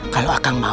kalau akan berubah